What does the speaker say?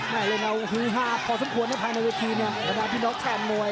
น่าจะลงเอาคือ๕พอสมควรเนี่ยภายในวิทีเนี่ยประมาณพี่น้องแชมมวย